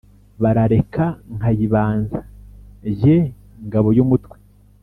Barareka nkayibanza jye ngabo y'umutwe